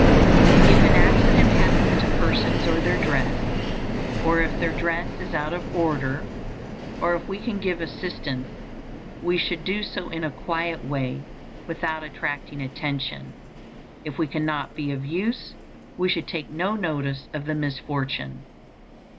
If an accident happens to persons or their dress, or if their dress is out of order, if we can give assistance we should do so in a quiet way without attracting attention; if we cannot be of use, we should take no notice of the misfortune.